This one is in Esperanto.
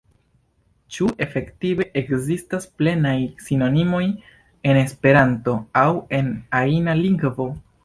Ĉu efektive ekzistas plenaj sinonimoj en Esperanto aŭ en ajna lingvo?